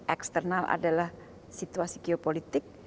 eksternal adalah situasi geopolitik